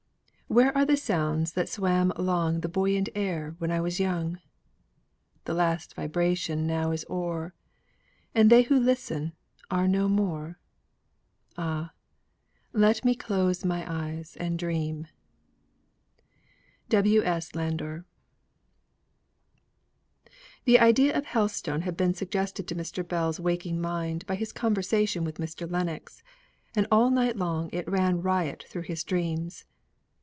"Where are the sounds that swam along The buoyant air when I was young; The last vibration now is o'er, And they who listened are no more; Ah! let me close my eyes and dream." W. S. LANDOR. The idea of Helstone had been suggested to Mr. Bell's waking mind by his conversation with Mr. Lennox, and all night long it ran riot through his dreams.